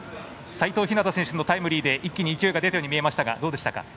齋藤陽選手のタイムリーで一気に勢いが出たように見えましたが、どうでしたか？